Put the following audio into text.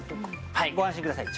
はいご安心ください。